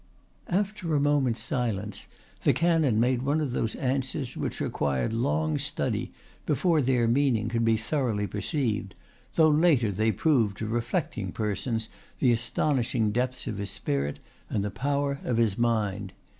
After a moment's silence the canon made one of those answers which required long study before their meaning could be thoroughly perceived, though later they proved to reflecting persons the astonishing depths of his spirit and the power of his mind.